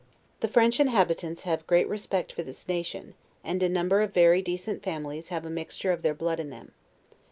The French Inhabitants have great respect for this nation; and a number of very decent families have a mixture of their blood in them.